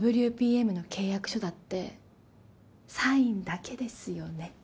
ＷＰＭの契約書だってサインだけですよね？